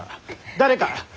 誰か！